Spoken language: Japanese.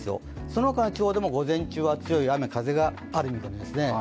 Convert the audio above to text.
そのほかの地方でも午前中は強い雨・風がありそうですね。